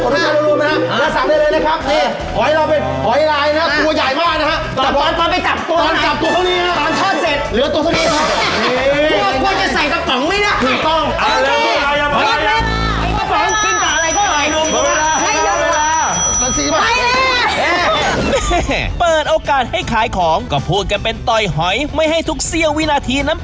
เปิดโอกาสให้ขายของก็พูดกันเป็นต่อยหอยไม่ให้ทุกเสี้ยววินาทีนั้น